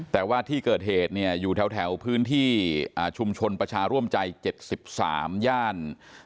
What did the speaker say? แต่ว่าที่เกิดเหตุเนี่ยอยู่แถวพื้นที่ชุมชนประชาร่วมใจ๗๓ย่าน